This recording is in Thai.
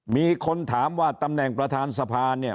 มีคนถามว่าตำแหน่งประธานสภาเนี่ย